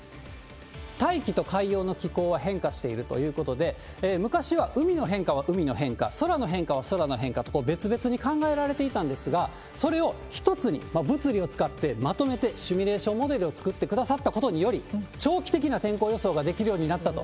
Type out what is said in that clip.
大気と海洋の気候は変化しているということで、昔は海の変化は海の変化、空の変化は空の変化と、別々に考えられていたんですが、それを一つに、物理を使ってまとめてシミュレーションモデルを作ってくださったことにより、長期的な天候予想ができるようになったと。